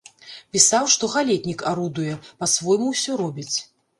Пісаў, што галетнік арудуе, па-свойму ўсё робіць.